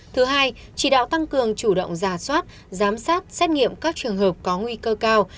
thứ hai chỉ đạo tăng cường chủ động giả soát giám sát xét nghiệm các trường hợp có nguy cơ cao